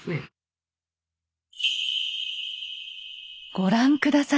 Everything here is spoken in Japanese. ご覧下さい。